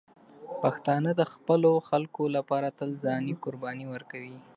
پښتانه د خپلو خلکو لپاره تل ځاني قرباني ورکوي.